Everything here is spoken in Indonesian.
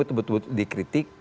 itu betul betul dikritik